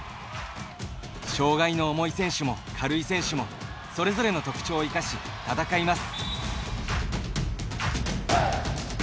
障がいの重い選手も、軽い選手もそれぞれの特徴を生かし戦います。